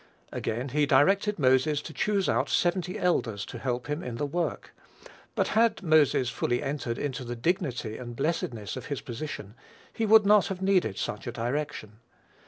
Again, he directed Moses to choose out seventy elders to help him in the work; but had Moses fully entered into the dignity and blessedness of his position, he would not have needed such a direction.